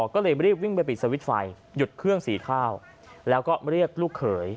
ก็เลยรีบวิ่งไปปิดสวิตช์ไฟหยุดเครื่องสีข้าวแล้วก็เรียกลูกเขย